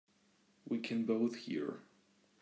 We can both hear.